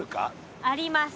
あります。